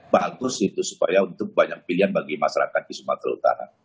bagus itu supaya untuk banyak pilihan bagi masyarakat di sumatera utara